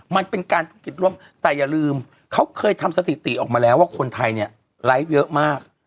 มันเป็นการธุรกิจร่วมแต่อย่าลืมเขาเคยทำสถิติออกมาแล้วว่าคนไทยเนี่ยไลฟ์เยอะมาก